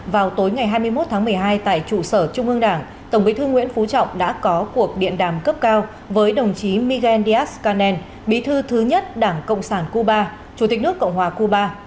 vào tối ngày hai mươi một tháng một mươi hai tại trụ sở trung ương đảng tổng bí thư nguyễn phú trọng đã có cuộc điện đàm cấp cao với đồng chí miguel díaz canel bí thư thứ nhất đảng cộng sản cuba chủ tịch nước cộng hòa cuba